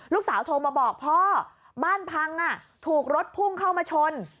ลูกสาวโทรมาบอกพ่อบ้านพังถูกรถพุ่งเข้ามาชน